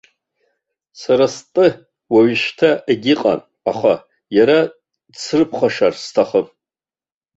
Сара стәы уажәшьҭа егьыҟам, аха иара дсырԥхашьар сҭахым.